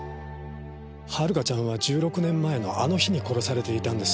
遥ちゃんは１６年前のあの日に殺されていたんです。